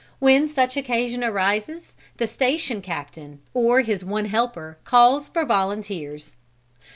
When such occasion arises the station captain, or his one helper, calls for volunteers.